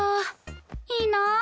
いいなあ！